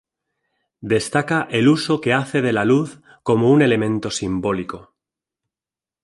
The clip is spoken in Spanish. Destaca el uso que hace de la luz como un elemento simbólico.